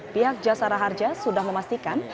pihak jasara harja sudah memastikan